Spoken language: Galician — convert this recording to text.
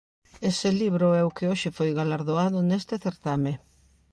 Ese libro é o que hoxe foi galardoado neste certame.